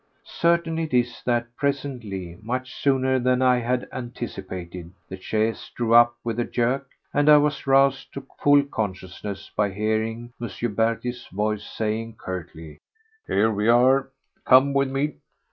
Certain it is that presently—much sooner than I had anticipated—the chaise drew up with a jerk, and I was roused to full consciousness by hearing M. Berty's voice saying curtly: "Here we are! Come with me!"